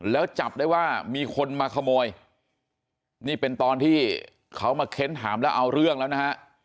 แล้วจับได้ว่ามีคนมาขโมยนี่เป็นตอนที่เขามาเค้นถามแล้วเอาเรื่องแล้วนะฮะ